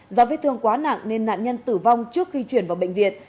do vết thương quá nặng nên nạn nhân tử vong trước khi chuyển vào bệnh viện